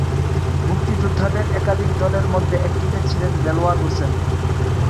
মুক্তিযোদ্ধাদের একাধিক দলের মধ্যে একটিতে ছিলেন দেলোয়ার হোসেন।